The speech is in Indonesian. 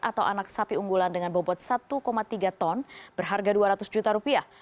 atau anak sapi unggulan dengan bobot satu tiga ton berharga dua ratus juta rupiah